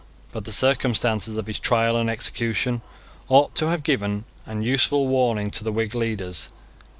But the circumstances of his trial and execution ought to have given an useful warning to the Whig leaders.